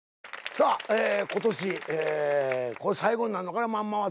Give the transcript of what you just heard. さあ今年最後になるのかな『まんま』は。